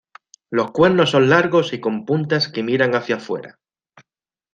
Los cuernos son largos y con puntas que miran hacia fuera.